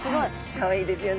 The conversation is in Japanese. かわいいですよね。